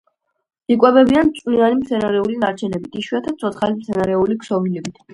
იკვებებიან წვნიანი მცენარეული ნარჩენებით, იშვიათად ცოცხალი მცენარეული ქსოვილებით.